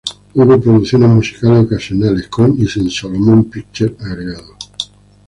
Hubo producciones musicales ocasionales con y sin Solomon Pictures agregado.